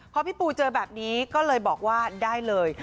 พอพี่ปูเจอแบบนี้ก็เลยบอกว่าได้เลย